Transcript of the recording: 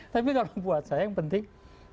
tapi kalau buat saya yang penting